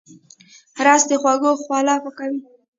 رس د خوږو خوله پاکوي